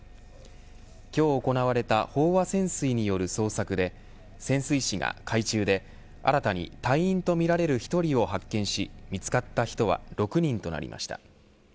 今日行われた飽和潜水による捜索で潜水士が海中で新たに隊員とみられる１人を発見し見つかった人は６人となりました。